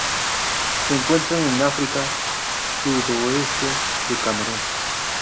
Se encuentran en África: sudoeste de Camerún.